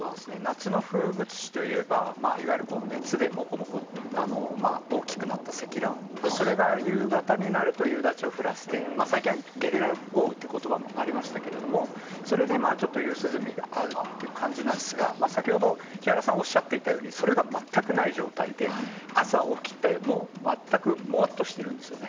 夏の風物詩といえば、いわゆる熱でもこもこ大きくなった積乱雲、それが夕方になると夕立を降らせて、最近、ゲリラ豪雨っていうことばもありましたけれども、それで、ちょっと夕涼みがあるって感じなんですが、先ほど木原さんおっしゃっていたように、それが全くない状態で、朝起きて、もう全くもわっとしてるんですよね。